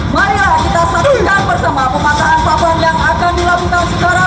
mari kita serukan bersama pemataan papan yang akan dilakukan sekarang